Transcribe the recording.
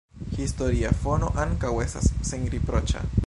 Historia fono ankaŭ estas senriproĉa.